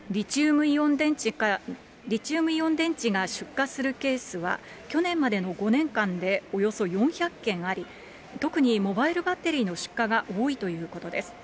リチウムイオン電池が出火するケースは去年までの５年間でおよそ４００件あり、特にモバイルバッテリーの出火が多いということです。